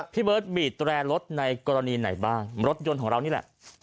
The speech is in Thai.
พี่เบิร์ตบีดแร่รถในกรณีไหนบ้างรถยนต์ของเรานี่แหละ